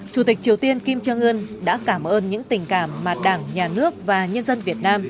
chủ tịch triều tiên kim jong un đã cảm ơn những tình cảm mà đảng nhà nước và nhân dân việt nam